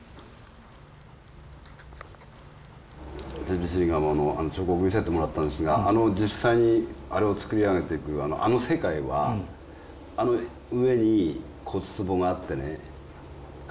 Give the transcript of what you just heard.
チビチリガマのあの彫刻見せてもらったんですが実際にあれを作り上げていくあの世界はあの上に骨壺があってね骸骨。